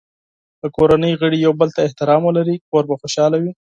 که کورنۍ غړي یو بل ته احترام ولري، کور به خوشحال وي.